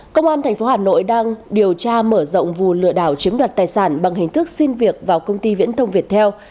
công an tp hà nội đang điều tra mở rộng vụ lừa đảo chiếm đoạt tài sản bằng hình thức xin việc vào công ty viễn thông việt theo